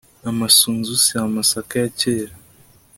amasunzu si amasaka ya kera